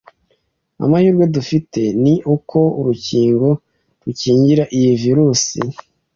Amahirwe dufite ni uko urukingo rukingira iyi Virus